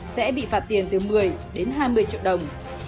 sẽ bị phạt tiền từ một mươi đến hai mươi triệu đồng